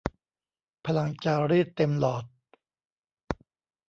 พลังจารีตเต็มหลอด